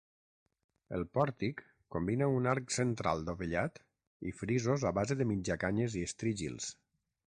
El pòrtic combina un arc central dovellat i frisos a base de mitjacanyes i estrígils.